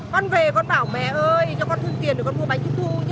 con về con bảo mẹ ơi cho con thêm tiền để con mua bánh trung thu nhé